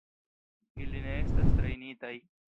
Ili ne estas trejnitaj.